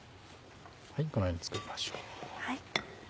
このように作りましょう。